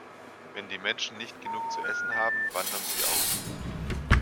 Wenn die Menschen nicht genug zu essen haben, wandern sie aus.